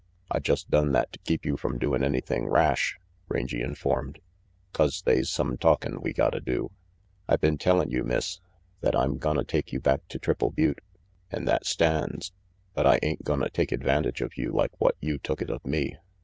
"I just done that to keep you from doin' anything rash," Rangy informed, " 'cause they's some talkin' we gotta do. I been tellin' you, Miss, that I'm gonna take you back to Triple Butte, an' that stands. But I ain't gonna take advantage of you like what you took it of me.